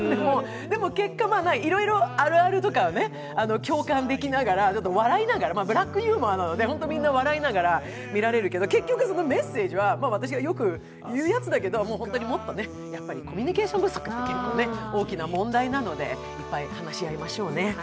でも、結果、いろいろあるあるとかは共感できながら、ブラックユーモアなので、みんな笑いながら見られるけど、結局、そのメッセージは、私がよく言うやつだけど、本当にもっと、コミュニケーション不足が大きな問題なのでいっぱい話し合いましょうね。